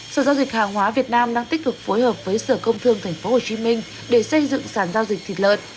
sở giao dịch hàng hóa việt nam đang tích cực phối hợp với sở công thương tp hcm để xây dựng sản giao dịch thịt lợn